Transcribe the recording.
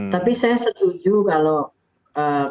tapi saya setuju kalau karantina mandiri